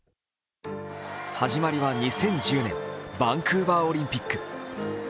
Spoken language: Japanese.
始まりは２０１０年バンクーバーオリンピック。